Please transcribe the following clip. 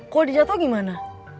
kalo di jatoh gimana